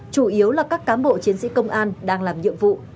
chủ yếu là các cám bộ chiến sĩ công an đang làm nhiệm vụ